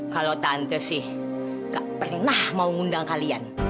kalau tante sih gak pernah mau ngundang kalian